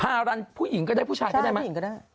ภารนผู้หญิงก็ได้ผู้ชายก็ได้มั้ย